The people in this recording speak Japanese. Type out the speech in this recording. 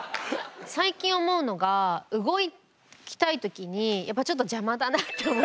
最近思うのが動きたい時にやっぱちょっと邪魔だなって思う時はあります。